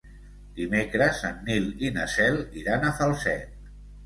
Dimecres en Nil i na Cel iran a Falset.